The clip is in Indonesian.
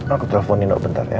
aku telepon ino bentar ya